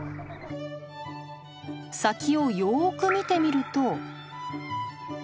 先をよく見てみると。